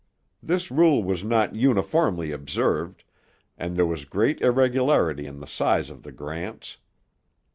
This rule was not uniformly observed, and there was great irregularity in the size of the grants.